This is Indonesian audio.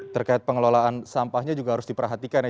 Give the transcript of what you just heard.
terkait pengelolaan sampahnya juga harus diperhatikan ya